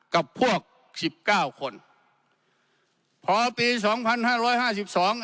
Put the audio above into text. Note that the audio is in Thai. กับพวกสิบเก้าคนพอปีสองพันห้าร้อยห้าสิบสอง